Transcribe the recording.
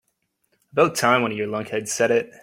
About time one of you lunkheads said it.